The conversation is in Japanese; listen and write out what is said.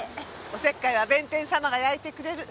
お節介は弁天様が焼いてくれる。